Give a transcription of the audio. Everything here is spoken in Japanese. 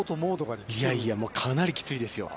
いやいや、かなりきついですよ。